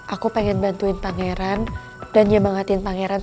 aku pengen bantuin pangeran dan nyemangatin pangeran